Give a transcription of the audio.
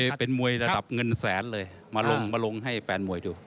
นี่เป็นมวยระดับเงินแสนเลยมาลงมาลงให้แฟนมวยดู